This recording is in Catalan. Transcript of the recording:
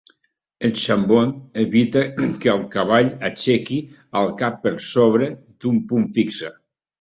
El chambon evita que el cavall aixequi el cap per sobre d'un punt fixe.